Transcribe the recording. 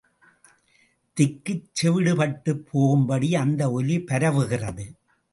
திக்குச் செவிடுபட்டுப் போகும்படி அந்த ஒலி பரவுகிறது.